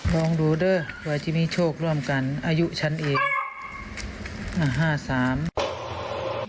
ลองดูเด้อว่าจะมีโชคร่วมกันอายุชั้นเอง